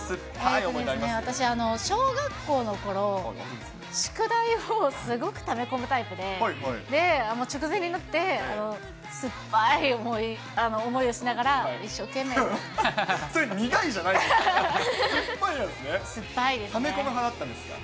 私、小学校のころ、宿題をすごくため込むタイプで、直前になって、酸っぱい思いをしながら、それ、苦いじゃないですか。